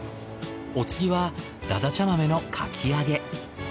お次はだだちゃ豆のかき揚げ。